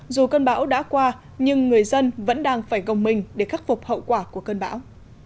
dù cơn bão đã qua nhưng người dân vẫn đang phải gồng mình để khắc phục hậu quả của cơn bão